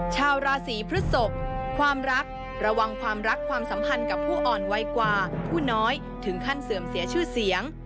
ชาวราศีพฤศพความรักระวังความรักความสัมพันธ์กับผู้อ่อนไวกว่าผู้น้อยถึงขั้นเสื่อมเสียชื่อเสียง